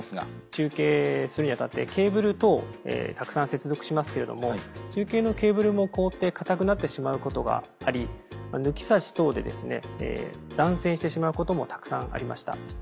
中継するに当たってケーブル等をたくさん接続しますけれども中継のケーブルも凍って硬くなってしまうことがあり抜き差し等でですね断線してしまうこともたくさんありました。